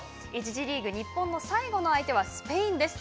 １次リーグ、日本の最後の相手はスペインです。